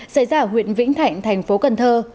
xảy ra ở huyện vĩnh thạnh thành phố cần thơ